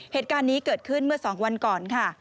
เหตุการณ์นี้เกิดขึ้นเมื่อ๒วันก่อนค่ะ